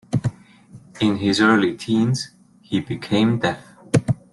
In his early teens he became deaf.